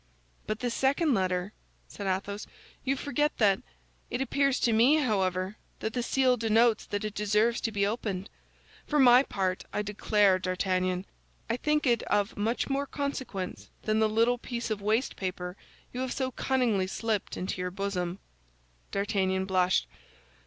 "But this second letter," said Athos, "you forget that; it appears to me, however, that the seal denotes that it deserves to be opened. For my part, I declare, D'Artagnan, I think it of much more consequence than the little piece of waste paper you have so cunningly slipped into your bosom." D'Artagnan blushed.